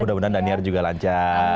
mudah mudahan daniar juga lancar